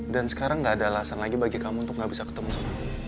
dan sekarang gak ada alasan lagi bagi kamu untuk gak bisa ketemu sama aku